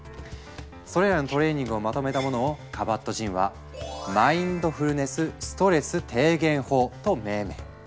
それらのトレーニングをまとめたものをカバットジンは「マインドフルネスストレス低減法」と命名。